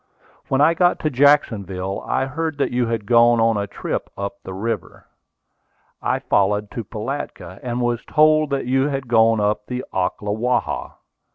When I got to Jacksonville, I heard that you had gone on a trip up the river. I followed to Pilatka, and was told that you had gone up the Ocklawaha.